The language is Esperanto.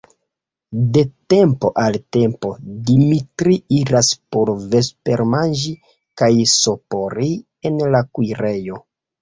De tempo al tempo Dimitri iras por vespermanĝi kaj sopiri en la kuirejo.